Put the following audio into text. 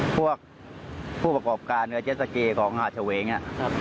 พวกผู้ประกอบการแจ็คสกีริมหาดเฉาเหวงนี่